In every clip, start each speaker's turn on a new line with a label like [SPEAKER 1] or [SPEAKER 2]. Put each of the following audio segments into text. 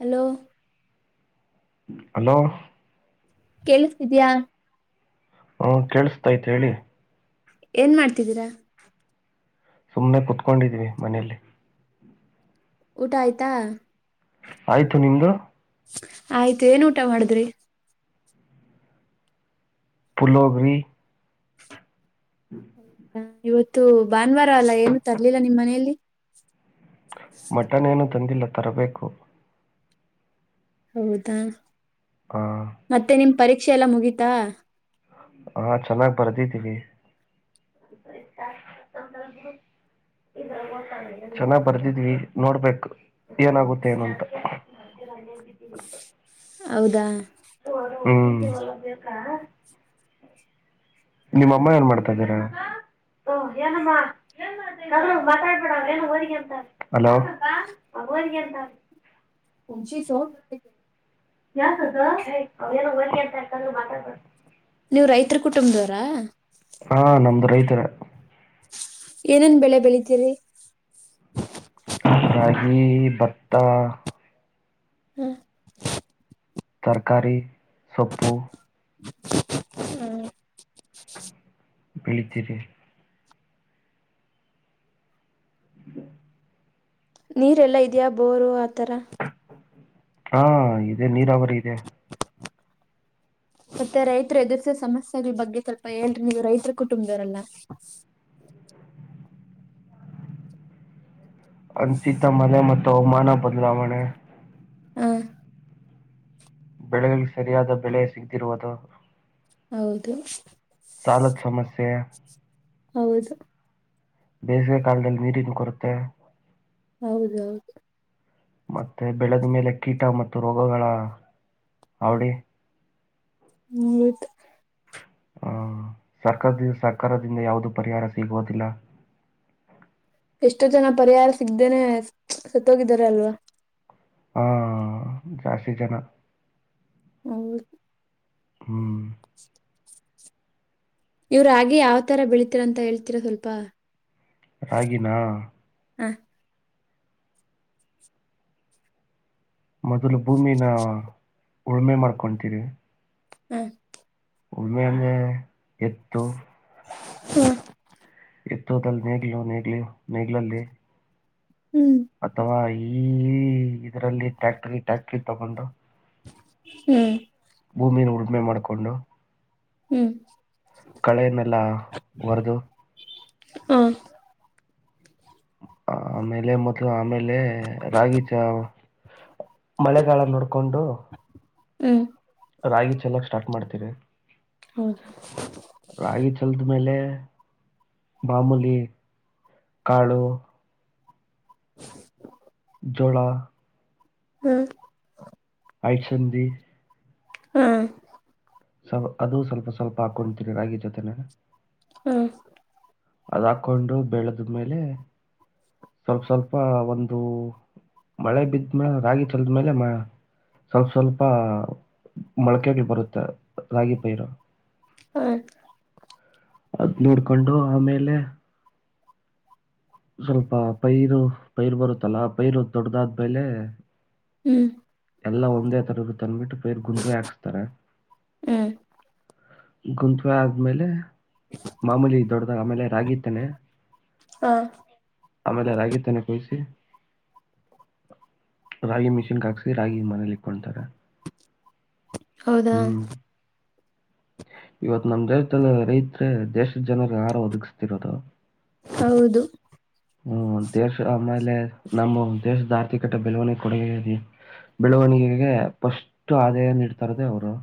[SPEAKER 1] Hello
[SPEAKER 2] hello
[SPEAKER 1] ಕೇಳಿಸ್ತಿದಿಯ
[SPEAKER 2] ಹು ಕೇಕ್ಸ್ತಾಯಿತೇ ಹೇಳಿ
[SPEAKER 1] ಏನ್ ಮಾಡ್ತಿದ್ದೀರಾ ಹ
[SPEAKER 2] ಸುಮ್ಮನೆ ಕೂತ್ಕೊಂಡಿದಿವಿ ಮನೇೆಯಲ್ಲಿ
[SPEAKER 1] ಊಟ ಆಯ್ತಾ
[SPEAKER 2] ಆಯ್ತು ನಿಮ್ದು
[SPEAKER 1] ಆಯ್ತು ಏನ್ ಊಟ ಮಾಡಿದ್ರಿ
[SPEAKER 2] ಪುಲಿಯೋಗರೇ
[SPEAKER 1] ಹೌದಾ ಇವತ್ತು ಭಾನುವಾರ ಅಲ್ಲ ಏನು ತರ್ಲಿಲ್ಲ ನಿಮ್ಮ್ ಮನೆಯಲ್ಲಿ
[SPEAKER 2] ಮಟನ್ ಏನು ತಂದಿಲ್ಲ ತರಬೇಕು
[SPEAKER 1] ಹೌದಾ
[SPEAKER 2] ಹ
[SPEAKER 1] ಮತ್ತೆ ನಿಮ್ ಪರೀಕ್ಷೆ ಎಲ್ಲ ಮುಗೀತಾ
[SPEAKER 2] ಹಾ ಚೆನ್ನಾಗ್ ಬರ್ದಿದ್ದೀವಿ ಚನ್ನ ಬರ್ದಿದೀವಿ ನೋಡ್ಬೇಕು ಏನಾಗುತ್ತೆ ಏನಂತ
[SPEAKER 1] ಹೌದಾ
[SPEAKER 2] ಹು ಹಲೋ
[SPEAKER 1] ಉಂಚಿ ಸೋಟ
[SPEAKER 2] ಯಾಕಕ ಎ ಅವ ಏನ ಓದುಕೋತನ ಮಾತಾಡಿಸಬೇಡ
[SPEAKER 1] ನೀವು ರೈತರ ಕುಟುಂಬದವರಾ
[SPEAKER 2] ಹಾ ನಮ್ದು ರೈತರ
[SPEAKER 1] ಏನೇನ್ ಬೆಳೆ ಬೆಳಿತೀರಿ
[SPEAKER 2] ರಾಗಿ, ಬತ್ತ
[SPEAKER 1] ಹಾ
[SPEAKER 2] ತರಕಾರಿ, ಸೊಪ್ಪು
[SPEAKER 1] ಹು
[SPEAKER 2] ಬೇಳಿತೀವಿ
[SPEAKER 1] ನೀರ್ ಎಲ್ಲಾ ಇದೆಯಾ ಬೋರ್ವೆಲ್
[SPEAKER 2] ಹಾ ಇದೆ ನೀರಾವರಿ ಇದೆ
[SPEAKER 1] ಮತ್ತೆ ರೈತರು ಎದುರಿಸಿದ ಸಮಸ್ಯೆಗಳ ಬಗ್ಗೆ ಸ್ವಲ್ಪ ಹೇಳ್ರಿ ನೀವು ರೈತರ ಕುಟುಂಬದವರಲಾ
[SPEAKER 2] ಅಂಸಿತ ಮಳೆ ಮತ್ತು ಅವಮಾನ ಬದ್ಲಾವಣೆ
[SPEAKER 1] ಹ
[SPEAKER 2] ಬೆಳೆಗಳಿಗೆ ಸರಿಯಾದ ಬೆಳೆ ಸಿಗ್ದಿರೋವಾಗ
[SPEAKER 1] ಹೌದು
[SPEAKER 2] ಸಾಲದ್ ಸಮಸ್ಯೆ
[SPEAKER 1] ಹೌದು
[SPEAKER 2] ದೇಸವ ಕಾಲ್ ನೀರಿಿನ ಕುರತೆ [unintelligible] ತ್ತ
[SPEAKER 1] ಹೌದೌದು
[SPEAKER 2] ಮತ್ತೆ ಬೆಳೆದ ಮೇಲೆ ಕೀಟ ಮತ್
[SPEAKER 1] ಮುಗಿತ್
[SPEAKER 2] ಸರ್ಕಾರ್ ಸರ್ಕಾರದಿಂದ ಯಾವ್ದ ಪರಿಹಾರ ಸಿಗೋದಿಲ್ಲ
[SPEAKER 1] ಎಷ್ಟೋ ಜನ ಪರಿಹಾರ ಸಿಗ್ದೇನೆ ಸತ್ತೋಗಿದಾರೆ ಅಲ್ವಾ
[SPEAKER 2] ಹಾ ಜಾಸ್ತಿ ಜನ
[SPEAKER 1] ಹೌದು
[SPEAKER 2] ಹ್ಮ್
[SPEAKER 1] ಏ ರಾಗಿ ಯಾವ್ ತರ ಬೆಳಿ ಇ ದಂತ ಹೇಳ್ತೀರಾ ಸ್ವಲ್ಪ
[SPEAKER 2] ರಾಗಿನ
[SPEAKER 1] ಹ
[SPEAKER 2] ಮೊದಲು ಭೂಮಿನ ಉಳುಮೆ ಮಾಡ್ಕೊಳ್ತೀರಿ
[SPEAKER 1] ಹ್ಮ
[SPEAKER 2] ಹೊಲನ ಎತ್ತು
[SPEAKER 1] ಹ್ಮ್
[SPEAKER 2] ಎತ್ತೋಲ್ಲಿ ನೆಗ್ಲು ನೇಗ್ಲಿ ನೆಗ್ಲಲ್ಲಿ [unintelligible]
[SPEAKER 1] ಹ್ಮ್
[SPEAKER 2] ಅಥವಾ ಈ ಇದ್ರಲ್ಲಿ ಟ್ಯಾಕ್ಟ್ರ ಟ್ಯಾಕ್ಟ್ರ ತಗೊಂಡು
[SPEAKER 1] ಹ್ಮ್
[SPEAKER 2] ಭೂಮಿಯಿನ ಉಳಮೆ ಮಾಡಿಕೊಂಡು
[SPEAKER 1] ಹ್ಮ್
[SPEAKER 2] ಕಳೆನ್ನೆಲ್ಲ ಹೊರೆದು
[SPEAKER 1] ಹಾ
[SPEAKER 2] ಆಮೇಲೆ ಮದ ಆಮೇಲೆ ಳೆ ರಾಗಿ ತಾವ್ ಮಳೆಗಾಲ ನೋಡ್ಕೊಂಡು
[SPEAKER 1] ಹ್ಮ್
[SPEAKER 2] ರಾಗಿ ಚೆಲ್ಲಕ್ ಸ್ಟಾಟ್ ಮಾಡ್. ಇರ
[SPEAKER 1] ಹೌದು
[SPEAKER 2] ರಾಗಿ ಚೆಲ್ದ್ ಮೇಲೆ. ಮಮೂಲಿ ಕಾಳು
[SPEAKER 1] [inaudible]
[SPEAKER 2] ಜೋಳಾ
[SPEAKER 1] ಹ್ಮ್
[SPEAKER 2] ಆಯಕ್ ಸಂಧಿ
[SPEAKER 1] ಹ್ಮ
[SPEAKER 2] ಸ್ಲ್ ಅದುೂ ಸ್ವಲ್ಪ ಸ್ವಲ್ಪ ಪ ಕುಂತಿನ ಆಗೇ ಜೊತೆ ನ
[SPEAKER 1] ಹ್ಮ್
[SPEAKER 2] ಅದು ಹಾಕೊಂಡು ಬೆಳೆದ್ಮೇಲೆ ಸ್ವಲ್ಪ ಸ್ವಲ್ಪ ಒಂದು ಮಳೆ ಬಿದ್ಮೇ ರಾಗಿ ಲ್ದ ಮೇಲೆ ಮಳ ಸ್ವಲ್ಪ ಸ್ವಲ್ಪ ಮೊಳಕಿ ಬರುತ್ತೆ ರಾಗಿ ಪೈರ
[SPEAKER 1] ಹ್ಮ್
[SPEAKER 2] ಅದ್ ನೋಡ್ಕೊಂಡು ಆಮೇಲೆ ಸ್ವಲ್ಪ ಪೈರು ಪೈರು ಬರುತ್ತೆ ಚಲಾ ಪೈರು ದೊಡ್ಡದಾದ ಪೈಲೆ
[SPEAKER 1] ಹ್ಮ್
[SPEAKER 2] ಎಲ್ಲ ಒಂದೇ ತರರು ತಂದ್ಬಿಟ್ಟು ಪೇರ್ ಗುತ್್ೆ ಹಾಕ್ಸ್ತಾರೆ
[SPEAKER 1] ಹ್ಮ್
[SPEAKER 2] ಗುಂತುವೆ ಆದ್ಮೇಲೆ ಮಾಮೂಲಿ ದೊಡ್ಡದಾಗ ಆಮೇಲೆ ರಾಗಿತ್ತಾನೆ
[SPEAKER 1] ಹ
[SPEAKER 2] ಆಮೇಲೆ ಯಾರಾಗಿದ್ದಾನೆ ಕೊಯಿಸಿಿ ರ ಮಿಷನ್ ಕಾಕ್ಸೀರ್ ಾಗಿ ಮನಲಿಕೊತಾರೆ
[SPEAKER 1] ಹೌದಾ
[SPEAKER 2] ಇವತ್ತು ನಮ್ಮ ದೇಶದಲ್ಲಿ ರೈತರೆ ದೇಶದ ಜನರಿಗೆ ಹಹಾರ ಒದಗಿಸ್ತಿರೋದು
[SPEAKER 1] ಹೌದು
[SPEAKER 2] ಹ್ಮ ದೇಶ ಆಮೇಲೆ ನಮ್ಮ ದೇಶದ ಆರ್ಥಿಕತೆ ಬೆಲವಣಿಗೆ ಕೊಡುಗೆದೆ ಬೆಳವಣಿಗೆಗೆ ಫಸ್ಟ್ ಆದಾಯ ನೀಡ್ತಾರದೆೇ ಹ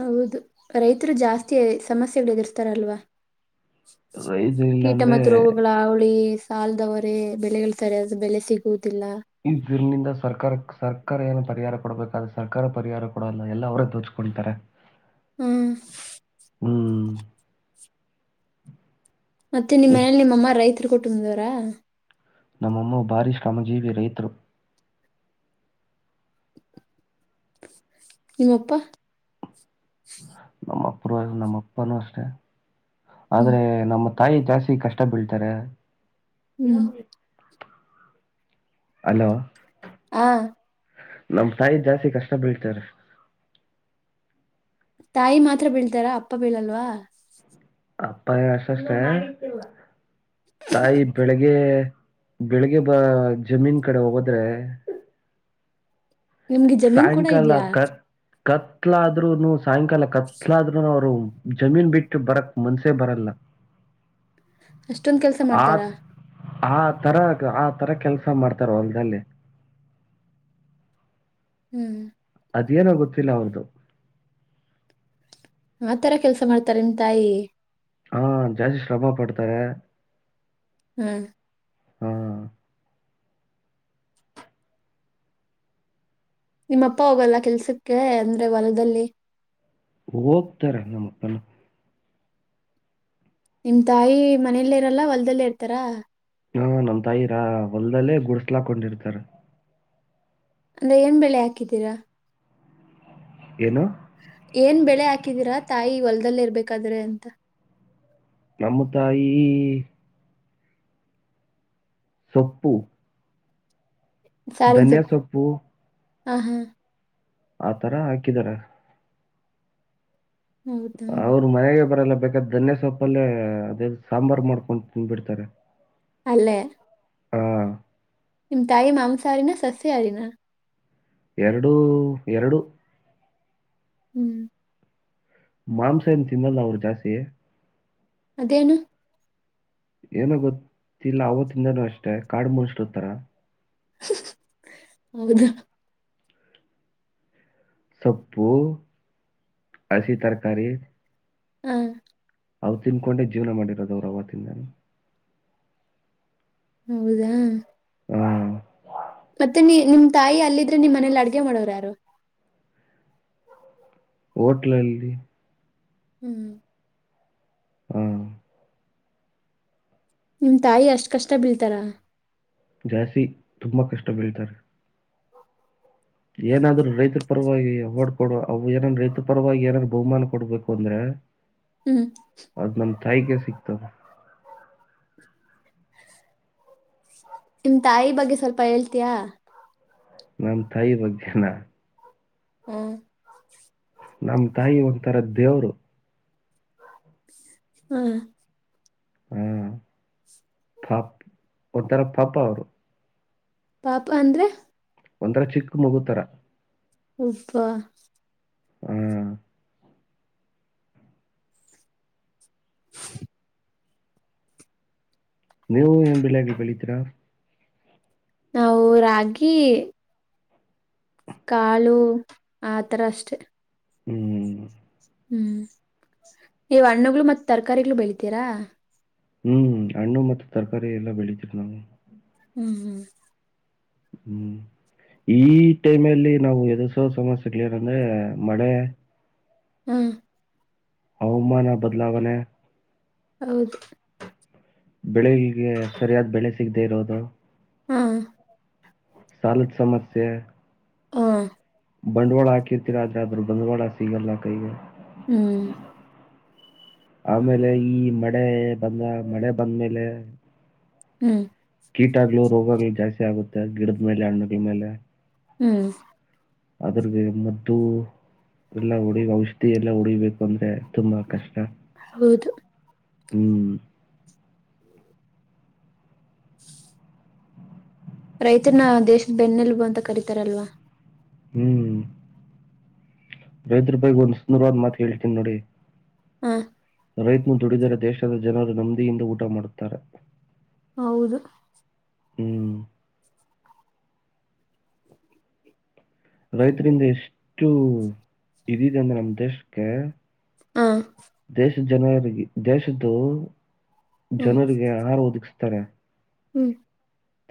[SPEAKER 1] ಹೌದು ರೈತರು ಜಾಸ್ತಿ ಸಮಸ್ಯೆಗಳು ಎದುರ್ತಾರಲ್ವಾ
[SPEAKER 2] ರೈತ
[SPEAKER 1] ಕೀಟ
[SPEAKER 2] ಇಲ್ಲಾಂದ್ರೆ
[SPEAKER 1] ಮತ್ತು ರೋಗಗಳ ಅವಳಿ ಕಲ್ದವರೆ ಬೆಳಗಳು ಸರಿಯಾದ ಬೆಲೆ ಸಿಗುದು
[SPEAKER 2] ಇದರಿನಿಂದ ಸರ್ಕಾರ ಸರ್ಕಾರ ಏನು ಪರಿಹಾರ ಕೊಡಬೇಕಾದೆ ಸರ್ಕಾರ ಪರಿಹಾರ ಕೊಡಲ್ಲ ಎಲ್ಲ ಅವರೇ ದೋಚ್ಕೊತಾರೆ
[SPEAKER 1] ಹ್ಮ್
[SPEAKER 2] ಹ್ಮ್
[SPEAKER 1] ಮತ್ತೆ ನಿಮ್ಮ
[SPEAKER 2] ಎಷ್ಟ್
[SPEAKER 1] ಮನಲಿ ನಿಮ್ಮಮ್ಮ ರೈತ ಹ ಕೊಟ್ಟುದವರಾ
[SPEAKER 2] ನಮ್ಮಮ್ಮ ಭಾರೀ ಶ್ರಮಜೀವಿ ರೈತರು
[SPEAKER 1] ನಿಮ್ಮಪ್ಪಾ
[SPEAKER 2] ನಮ್ಮಪ್ಪರ ನಮ್ಮ ಅಪ್ಪಾನೂ ಅಷ್ಟೆ
[SPEAKER 1] ಹ್ಮ್
[SPEAKER 2] ಆದ್ರೆ ನಮ್ಮ ತಾಯಿ ಜಾಸ್ತಿ ಕಷ್ಟ ಬೀಳ್ತಾರೆ ಇ
[SPEAKER 1] ಹ್ಮ್
[SPEAKER 2] ಅಲೋ
[SPEAKER 1] ಆ
[SPEAKER 2] ನಮ್ ತಾಯಿ ಜಾಸ್ತಿ ಕಷ್ಟ ಬೀಳ್ತಾರ
[SPEAKER 1] ತಾಯಿ ಮಾತ್ರ ಬೀಳ್ತಾರ ಅಪ್ಪ ಬೀಳಲ್ವಾ
[SPEAKER 2] ಅಪ್ಪ ನು ವರ್ಷ ಅಷ್ಟ ತಾಯಿ ಬೆಳಿಗ್ಗೆ ಬೆಳಿಗ್ಗೆ ಬ ಜಮೀನ್ ಕಡೆ ಹೋಗದ್ರೆ
[SPEAKER 1] ನಿಮ್ಗೆ ಜಮೀನ್ ಕೂಡ
[SPEAKER 2] ಸಾಯಂಕಾಲ
[SPEAKER 1] ಇದ್ಯಾ
[SPEAKER 2] ಕತ್ ಕತ್ಲಾಆದ್ರೂನು ಸಾಯಂಕಾಲ ಕತ್ಲಾಆದ್ರೂನು ಅವ್ರು ಜಮೀನ್ ಬಿಟ್ಟು ಬರಕ್ ಮನ್ಸೇ ಬರಲ್ಲ
[SPEAKER 1] ಅಷ್ಟೊಂದ್ ಕೆಲ್ಸ
[SPEAKER 2] ಆ
[SPEAKER 1] ಮಾಡ್ತಾರ
[SPEAKER 2] ಆ ತರ ಆ ತರ ಕೆಲ್ಸ ಕೆಸ ಮಾಡ್ತಾರ ಅಲ್ದಲ್ಲಿ
[SPEAKER 1] ಹ್ಮ್
[SPEAKER 2] ಅದೇನ ಗೊತ್ತಿಲ್ಲ ಅವ್ರ್ದು
[SPEAKER 1] ಆತರ ಕೆಲ್ಸ ಮಾಡ್ತಾರ ನಿನ್ ತಾಯಿ
[SPEAKER 2] ಹಾ ಜಾಸ್ತಿ ಶಭ ಪಡ್ತರೆ ಹೇ
[SPEAKER 1] ಹ್ಮ್ ನಿಮ್ಮಪ್ಪ ಹೋಗಲ್ಲ ಕೆಲ್ಸಕ್ಕೆ ಅಂದ್ರೆ ಹೊಲದಲ್ಲಿ
[SPEAKER 2] ಹೋಗ್ತಾರ ನಮ ಹೊಲ
[SPEAKER 1] ನಿಮ್ ತಾಯಿ ಮನೆಯಲ್ಲೇ ಇರಲ್ಲ ಹೊಲ್ದಲ್ಲೇ ಇರ್ತಾರ
[SPEAKER 2] ಹಾ ನಮ ತಾಯಿರಾ ಹೊಲ್ದಲ್ಲೇ ಗುಡಸ್ಲಾಕೊಂಡಿರ್ತಾರ
[SPEAKER 1] ಅಂದ್ರೆ ಏನ್ ಬೆಳೆ ಹಾಕಿದ್ದೀರಾ
[SPEAKER 2] ಏನು
[SPEAKER 1] ಏನ್ ಬೆಳೆ ಹಾಕಿದೀರಾ ತಾಯಿ ಹೊಲ್ದದಲ್ಲಿ ಇರ್ಬೇಕಾದ್ರೆ ಅಂತ
[SPEAKER 2] ನಮ್ಮ ತಾಯಿ ಸೊಪ್ಪು ಧನ್ಯ ಸೊಪ್ಪು
[SPEAKER 1] ಹ್ಮ ಹ್ಮ್
[SPEAKER 2] ಆತರ ಹಾಕಿದಾರ
[SPEAKER 1] ಹೌದಾ
[SPEAKER 2] ಅವ್ರು ಮನೆಗೆ ಬರಲ್ಲ ಬೇಕಾದ ಧನ್ಯ ಸೊಪ್ಪಲ್ಲೇ ಅದೇ ಸಾಂಬಾರ್ ಮಾಡ್ಕೊಂತ ತಿಂದ ಬಿಡ್ತಾರೆ
[SPEAKER 1] ಅಲ್ಲೇ ನಿಮ್ ತಾಯಿ ಮಾಂಸ ಹಾರಿನ ಸಸ್ಯ ಹಾರಿನ
[SPEAKER 2] ಎರಡು ಎರಡು
[SPEAKER 1] ಹ್ಮ್
[SPEAKER 2] ಮಾಂಸ ಎನ್ನ ತಿನ್ನಲ್ಲ ಅವ್ರು ಜಾಸ್ತಿ
[SPEAKER 1] ಅದೇನು
[SPEAKER 2] ಏನ ಗತ್ತು ಇಲ್ಲ ಅವತ್ತಿಂದಾನ ಅಷ್ಟೆ ಕಾಡು ಮನುಸರುತ್ತರ
[SPEAKER 1] ಹೌದಾ
[SPEAKER 2] ಸೊಪ್ಪು ಹಸಿ ತರಕಾರಿ
[SPEAKER 1] ಹ್ಮ್
[SPEAKER 2] ಅವು ತಿಂದುಕೊಂಡೆ ಜೀವನ ಮಾಡಿರೋದು ದೌರವಿಂದಾನ
[SPEAKER 1] ಹೌದಾ ಮತ್ತೆ ನೀ ನಿಮ ತಾಯಿ ಅಲ್ಲಿ ನಿಮ್ಮ ಮನೇಲಿ ಅಡ್ಗೆ ಮಾಡೋರು ಯಾರು
[SPEAKER 2] ಹೋಟ್ಲಲ್ಲಿ
[SPEAKER 1] ಹ್ಮ್
[SPEAKER 2] ಹ್ಮ್
[SPEAKER 1] ನಿಮ್ ತಾಯಿ ಅಷ್ಟ್ ಕಷ್ಟ ಬೀಳ್ತಾರ
[SPEAKER 2] ಜಾಸಿ ತುಂಬಾ ಕಷ್ಟ ಬೀಳ್ತಾರೆ ಏನಾದ್ರು ರೈತರ ಪರವಾಗಿಯ ಡ್ ಕೊ ಅವು ಏನನ್ ರೈತ ಪರವಾಗಿ ಏನಾದಾರ ಬಹುಮಾನ ಕೊಡ್ಬೇಕು ಅಂದ್ರೆ
[SPEAKER 1] ಹ್ಮ್
[SPEAKER 2] ಅದ್ ನಮ ತಾಯಿಗೆ ಸಿಕ್ [inaudible]
[SPEAKER 1] ನಿಮ್ ತಾಯಿ ಬಗ್ಗೆ ಸ್ವಲ್ಪ ಹೇಳ್ತಯಾ
[SPEAKER 2] ನಮ ತಾಯಿ ಬಗ್ಗೆನಾ
[SPEAKER 1] ಹ್ಮ್
[SPEAKER 2] ನಮ್ ತಾಯಿ ಒಂತರ ದೇ ದೇವ್ರು
[SPEAKER 1] ಹ್ಮ.
[SPEAKER 2] ಹ್ಮ್ ಪ್. ಒತ್ತಾರ ಪಾಪ್ಪ ಅವರು.
[SPEAKER 1] ಪಾಪು ಅಂದ್ರೆ.
[SPEAKER 2] ಒಂದರ ಚಿಕ್ಕ ಮಗುತಾರ.
[SPEAKER 1] ಉಪ್ಪ.
[SPEAKER 2] ಹ್ಮ್. ನೀವು ಏನ್ ಬೆಳಾಗಿ ಬೆಳಿತೀರಾ.
[SPEAKER 1] ನಾವು ರಾಗಿ. ಕಾಳ ಆತರ ಅಷ್ಟೆ.
[SPEAKER 2] ಹ್ಮ್.
[SPEAKER 1] ಹ್ಮ್. ಇ ಹಣ್ಣುಗ್ಗಳು ಮತ್ತ ತರಕಾರಿ. ತರಕಾರಿಗಳು ಬೆಳಿತೀರಾ.
[SPEAKER 2] ಹ್ಮ್ ಹಣ್ಣು ಮ ತರಕಾರಿ ಎಲ್ಲ ಬೆಳಿತೀರಿ ನಾವು.
[SPEAKER 1] ಹ್ಮ್ ಹ್ಮ್.
[SPEAKER 2] ಹ್ಮ್. ಈ ಟೈಮ್ ಅಲ್ಲಿ ನಾವು ಎ. ಸಮಸ್ಯೆಂದ್ರೆ ಮಳೆ.
[SPEAKER 1] ಹ್ಮ್
[SPEAKER 2] ಹವಾಮ ಬದಲಾವನೆ.
[SPEAKER 1] ಹೌದು
[SPEAKER 2] ಬೆಳಗೆ ಸರಿಯಾದ ಬೆಳೆ. ಸಿಗದೆ ಇರೋದು.
[SPEAKER 1] ಹಾ.
[SPEAKER 2] ಸಾಲದ ಸಮಸ್ಯೆ.
[SPEAKER 1] ಹಾ.
[SPEAKER 2] ಬಂಡವಾಳ ಹಾಕಿರ್ತೀರ ಆದ್ರೆ ಆದ್ರರು ಬಂಡ್ವಾಳ. ಎ ಗಲ್ಲಾ ಕ.
[SPEAKER 1] ಹ್ಮ್.
[SPEAKER 2] ಆಮೇಲೆ ಈ ಮ. ಮಳೆ ಬಂದ ಮಳೆ ಬಂದ್ಮೇಲೆ.
[SPEAKER 1] ಹ್ಮ್
[SPEAKER 2] ಕೀಟಾಗ್ಲು ರೋಗಾಗ್ಲುೂ ಜಾಸ್ತಿ ಆಗುತ್ತೆ. ಗಿಡದ ಮೇಲೆ ಹಣ್ಣು ಮೇಲೆ.
[SPEAKER 1] ಹ್ಮ್.
[SPEAKER 2] ಅದ್ರಗೆ ಮದ್ದು ಎಲ್ಲ ಹೊಡಿ ಔಷಧಿ ಎಲ್ಲ ಹೊಡಿಬೇಕು ಅಂದ್ರೆ ತುಂಬಾ ಕಷ್ಟ.
[SPEAKER 1] ಹೌದು.
[SPEAKER 2] ಹ್ಮ್.
[SPEAKER 1] ರೈತರನ್ನ ದೇಶದ ಬೆನ್ನೆಲುಬು ಅಂತ ಕರಿತಾರಲ್ವಾ.
[SPEAKER 2] ಹ್ಮ್. ರೈದ್ರ ಬಾಯ ಒಂದ್ ಸುಂದರವನ್ ಮಾತತ್ ಹೇಳ್ತೀನ್ಿ ನೋಡಿ.
[SPEAKER 1] ಹ
[SPEAKER 2] ರೈತನು ದುಡಿಯದ ದೇಶನೇ ಜನರು ನದಿಯಿಂದ ಊಟ ಮಾಡುತ್ತಾರೆ
[SPEAKER 1] ಹೌದು
[SPEAKER 2] ಹ್ಮ್ ರೈತರಿಂದ ಎಷ್ಟು ಇದಿದೆ ಅಂದ್ರೆ ನಮ್ಮ ದೇಶಕ್ಕೆ
[SPEAKER 1] ಹಾ
[SPEAKER 2] ದೇಶದ ಜನರಿಗೆ ದೇಶದ್ದು
[SPEAKER 1] ಹ್ಮ್
[SPEAKER 2] ಜನರಿಗೆ ಆಹಾರ ಒದಗಿಸತಾರೆ
[SPEAKER 1] ಹ್ಮ್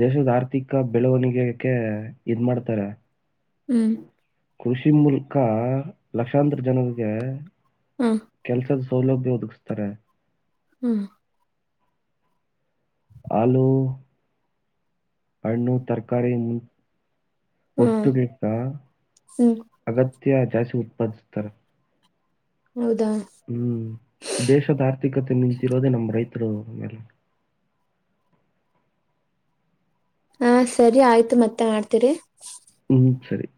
[SPEAKER 2] ದೇಶದ ಆರ್ಥಿಕ ಬೆಳವಣಿಗೆಕ್ಕೆ ಇದ್ ಮಾಡ್ತಾರೆ
[SPEAKER 1] ಹ್ಮ್
[SPEAKER 2] ಕೃಷಿ ಮೂಲಕ ಲಕ್ಷಾಂತರ ಜನರಿಗೆ
[SPEAKER 1] ಹ್ಮ್
[SPEAKER 2] ಕೆಲ್ಸದ ಸೌಲಭ್ಯ ಒದಗಿಸತದೆ ಒದಗಿಸ್ತಾರೆ
[SPEAKER 1] ಹ್ಮ್
[SPEAKER 2] ಹಾಲು ಹಣ್ಣು ತರಕಾರಿ ಮುಂತಾದವು
[SPEAKER 1] ಹ್ಮ್
[SPEAKER 2] ವಸ್ತುಗಳ
[SPEAKER 1] ಹ್ಮ್
[SPEAKER 2] ಅಗತ್ಯ ಜಾಸ್ತಿ ಉತ್ಪಾದಿಸ ತ್ತರ [unintelligible]
[SPEAKER 1] ಹೌದಾ
[SPEAKER 2] ಹ್ಮ್ ದೇಶದ ಆರ್ಥಿಕತೆ ನಿಂತಿರೋದೆೇ ನಮ್ಮ್ ರೈತ [unintelligible]
[SPEAKER 1] ಹಾ ಸರಿ ಆಯ್ತು ಮತ್ತೆ ಮಾಡ್ತೀರಿ
[SPEAKER 2] ಹ್ಮ್ ಸರಿ